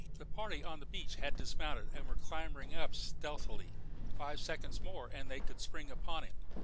The party on the beach had dismounted and were clambering up stealthily. Five seconds more and they could spring upon him.